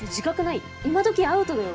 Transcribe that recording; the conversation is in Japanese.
今どきアウトだよ。